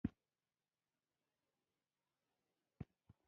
څو زره کلونه کېدای شي ټوله نوعه له منځه لاړه شي.